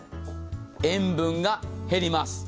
塩分が減ります。